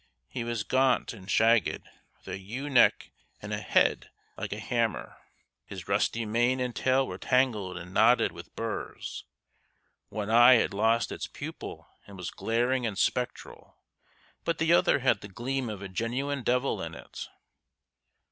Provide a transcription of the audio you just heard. He was gaunt and shagged, with a ewe neck and a head like a hammer; his rusty mane and tail were tangled and knotted with burrs; one eye had lost its pupil and was glaring and spectral, but the other had the gleam of a genuine devil in it.